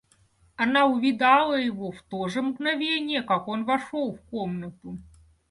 Она увидала его в то же мгновение, как он вошел в комнату.